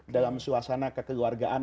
dalam suasana kekeluargaan